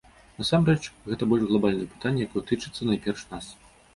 Насамрэч, гэта больш глабальнае пытанне, якое тычыцца, найперш, нас.